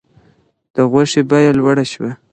د غوښې بیه لوړه شوه.